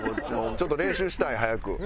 ちょっと練習したい早く。